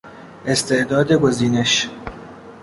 استعداد گزینش